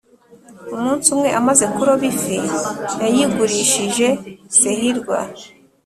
Umunsi umwe amaze kuroba ifi yayigurishije Sehirwa